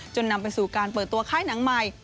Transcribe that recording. นำไปสู่การเปิดตัวค่ายหนังใหม่